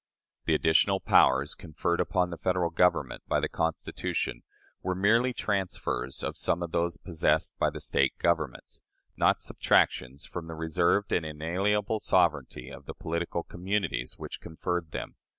The additional powers conferred upon the Federal Government by the Constitution were merely transfers of some of those possessed by the State governments not subtractions from the reserved and inalienable sovereignty of the political communities which conferred them.